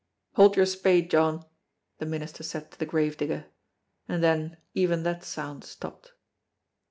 "Hold your spade, John," the minister said to the gravedigger, and then even that sound stopped.